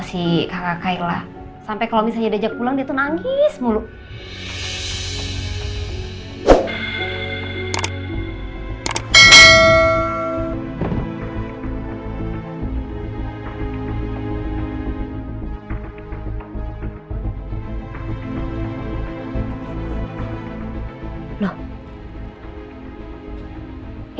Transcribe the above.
sih kakak kailah sampai kalau misalnya diajak pulang itu nangis mulu ya itu dia tuh nangis mulu